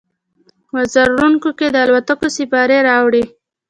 وزرونو کې، د الوتلو سیپارې راوړي